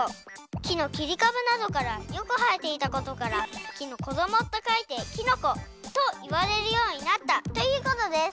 きのきりかぶなどからよくはえていたことから「きのこども」とかいて「きのこ」といわれるようになったということです。